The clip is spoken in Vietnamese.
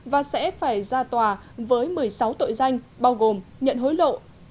và sẽ phải ra tòa với một mươi sáu tội danh bao gồm nhận hối lộ